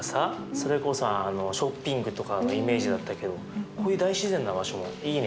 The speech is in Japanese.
それこそショッピングとかがイメージだったけどこういう大自然な場所もいいね。